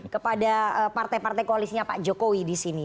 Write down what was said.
kepada partai partai koalisnya pak jokowi disini